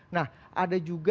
nah ada juga